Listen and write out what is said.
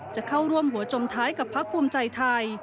จะเข้าร่วมหัวจมท้ายกับพักภูมิใจไทย